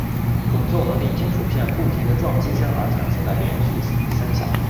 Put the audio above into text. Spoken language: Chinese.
滚奏能令金属片不停地撞击而产生连续的声响。